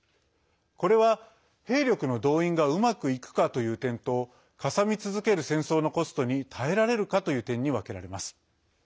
これは、兵力の動員がうまくいくかという点とかさみ続ける戦争のコストに耐えられるかという点に分けられます。